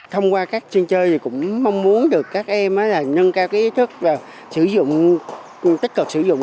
thông qua các sân chơi thì cũng mong muốn được các em là nâng cao ý thức và tích cực sử dụng các sản phẩm